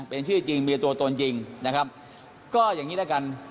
เป็นชื่อจริงมีตัวตนจริงนะครับก็อย่างนี้ละกัน